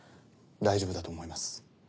大丈夫だと思います。